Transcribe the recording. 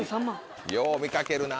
よう見かけるな。